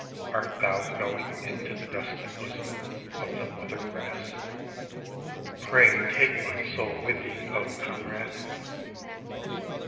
Art thou going into the dusky bosom of the Mother Rest ? Pray, take my soul with thee, O comrade